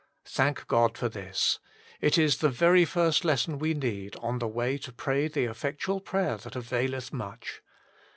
Thank God for this. It is the very first lesson we need on the way to pray the effectual prayer that availcth much.